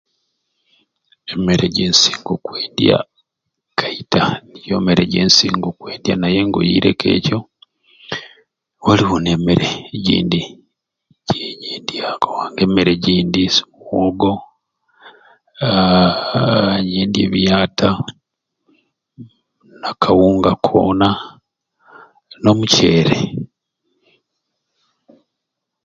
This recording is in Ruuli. Emmere gyensinga okwendya kaita nijo mmere gyensinga okwendya naye nga oireko ejo waliwo n'emmere egindi gyenyendya kubanga emmere gyendya mwogo aaa nyendya ebiata n'akawunga koona n'omuceere.